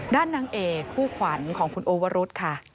นางเอกผู้ขวัญของคุณโอวรุษค่ะ